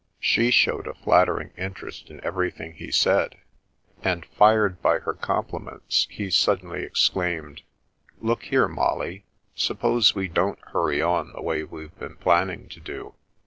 She showed a flattering interest in everything he said, and, fired by her compliments, he suddenly ex claimed: "Look here, Molly, suppose we don't hurry on, the way we've been planning to do?